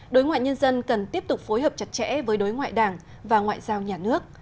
đối ngoại nhân dân cần tiếp tục phối hợp chặt chẽ với đối ngoại đảng và ngoại giao nhà nước